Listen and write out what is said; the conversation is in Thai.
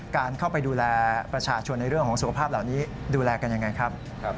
การเข้าไปดูแลประชาชนในเรื่องของสุขภาพเหล่านี้ดูแลกันยังไงครับ